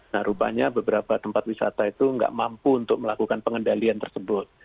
nah rupanya beberapa tempat wisata itu nggak mampu untuk melakukan pengendalian tersebut